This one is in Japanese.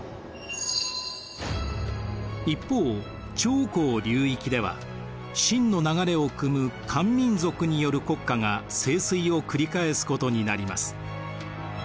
一方長江流域では晋の流れをくむ漢民族による国家が盛衰を繰り返すことになります。